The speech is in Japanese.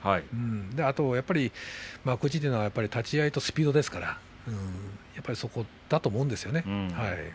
あと、幕内というのは立ち合いのスピードと圧力ですからその辺だと思いますけどね。